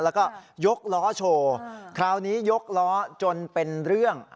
แล้วก็ยกล้อโชว์คราวนี้ยกล้อจนเป็นเรื่อง